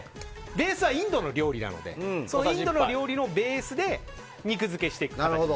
ベースはインドの料理なのでインドの料理のベースで肉付けしていく形になります。